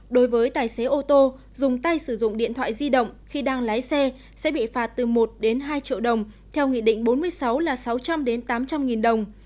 đối với tài xế ô tô dùng tay sử dụng điện thoại di động khi đang lái xe sẽ bị phạt từ một đến hai triệu đồng theo nghị định bốn mươi sáu là sáu trăm linh tám trăm linh nghìn đồng